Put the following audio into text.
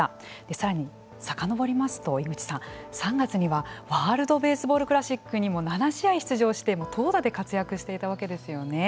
さらにさかのぼりますと井口さん３月にはワールドベースボールクラシックにも７試合出場して投打で活躍していたわけですよね。